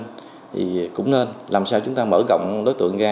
thì cũng nên làm sao chúng ta mở rộng đối tượng ra